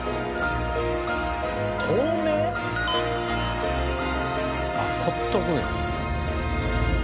透明？あっほっとくんや。